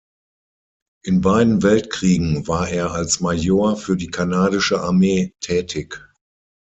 In beiden Weltkriegen war er als Major für die kanadische Armee tätig.